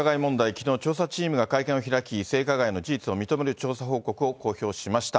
きのう調査チームが会見を開き、性加害の事実を認める調査報告を公表しました。